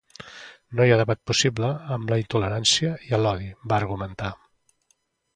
No hi ha debat possible amb la intolerància i l’odi, va argumentar.